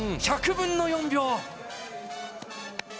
１００分の４秒！